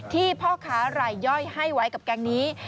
พ่อค้ารายย่อยให้ไว้กับแก๊งนี้